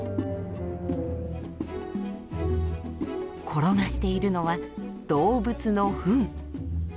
転がしているのは動物のフン。